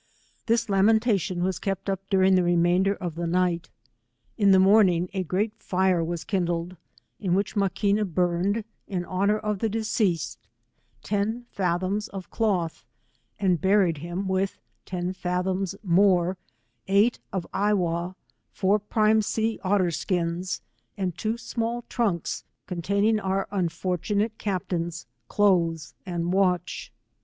This lamentation was kept up during the remainder of the night. In the morning, a great fire was kindled, in which Maquina burned in honour of the deceased, ten fathoms of cloth, and buried with him tea 129 fathoms more, eight of I \vha\v, four prime sea" otter sking^ and tv70 small trunks, containing our unfortunate captain's clothes and watch.